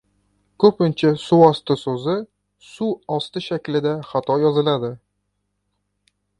Ko‘pincha suvosti so‘zi suv osti shaklida xato yoziladi.